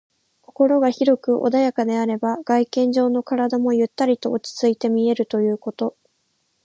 心が広く穏やかであれば、外見上の体もゆったりと落ち着いて見えるということ。